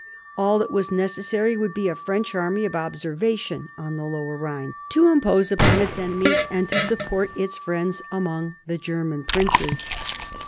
All that was necessary would be a French army of observation on the lower Ehine, to impose upon its enemies and to support its friends among the German princes.